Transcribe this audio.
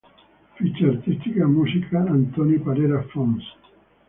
Ficha artística: Música: Antoni Parera Fons.